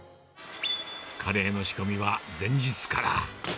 カレーの仕込みは前日から。